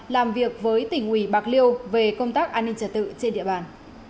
làm việc với tỉnh ủy bạc liêu về công tác an ninh trả tự trên địa bàn